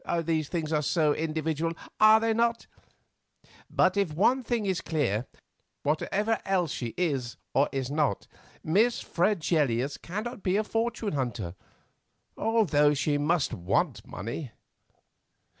These things are so individual, are they not? But if one thing is clear, whatever else she is or is not, Miss Fregelius cannot be a fortune hunter, although she must want money."